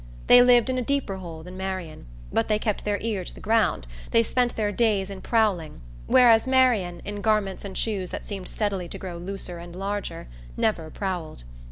They lived in a deeper hole than Marian, but they kept their ear to the ground, they spent their days in prowling, whereas Marian, in garments and shoes that seemed steadily to grow looser and larger, never prowled.